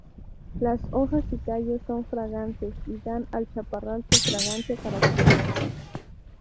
Las hojas y tallos son fragantes y dan al chaparral su fragancia característica.